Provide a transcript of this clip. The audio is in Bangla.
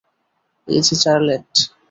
এই যে চার্লেট।